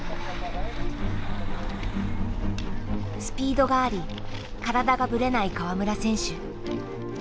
スピードがあり体がぶれない川村選手。